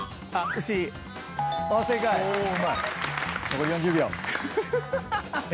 残り４０秒。